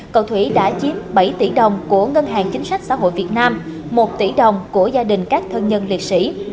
cầu thủy đã chiếm bảy tỷ đồng của ngân hàng chính sách xã hội việt nam một tỷ đồng của gia đình các thân nhân liệt sĩ